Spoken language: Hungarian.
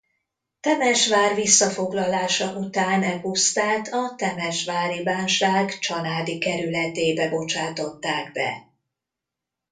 Temesvár visszafoglalása után e pusztát a temesvári bánság csanádi kerületébe bocsátották be.